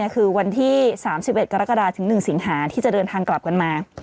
คือวันที่๓๑กรกฎาถึง๑สิงหาที่จะเดินทางกลับกันมา